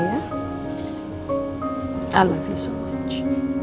saya sangat menyayangi kamu